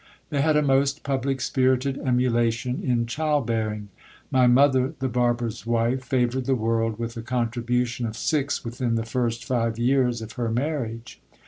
They had a most public spirited emulation in child bearing. My mother, the barber's wife, favoured the world with a contribution of six within the first five years of her marriage.